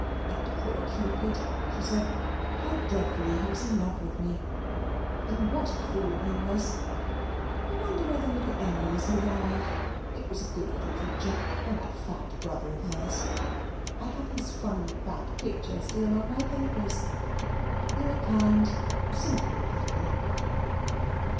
"That poor Cupid!" she said; "how dreadfully he was in love with me, and what a fool he was! I wonder whether little Emmy is alive. It was a good little creature; and that fat brother of hers. I have his funny fat picture still among my papers. They were kind simple people."